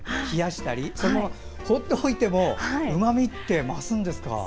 冷やしたり、放っておいてもうまみって増すんですか。